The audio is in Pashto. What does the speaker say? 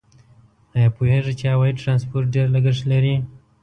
آیا پوهیږئ چې هوایي ترانسپورت ډېر لګښت لري؟